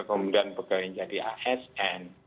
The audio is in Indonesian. kemudian bagaimana jadi asn